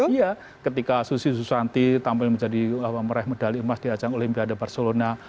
iya ketika susi susanti tampil menjadi meraih medali emas di ajang olimpiade barcelona